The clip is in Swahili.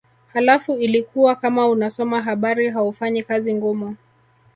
Halafu ilikuwa kama unasoma habari haufanyi kazi ngumu